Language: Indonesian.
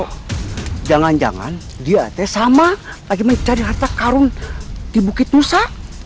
kan jangan di ate sama lagi mencari harta karun di bukit nusa